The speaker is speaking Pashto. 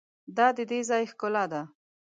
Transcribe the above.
دا د دې ځای ښکلا ده.